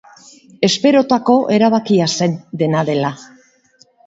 Esperotako erabakia zen, dena dela.